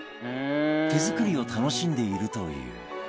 手作りを楽しんでいるという